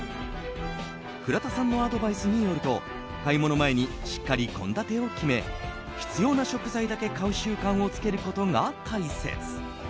倉田さんのアドバイスによると買い物前にしっかり献立を決め必要な食材だけ買う習慣をつけることが大切。